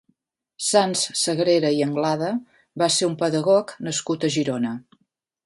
Sants Sagrera i Anglada va ser un pedagog nascut a Girona.